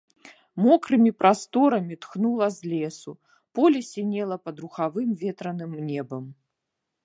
Мокрымі прасторамі тхнула з лесу, поле сінела пад рухавым ветраным небам.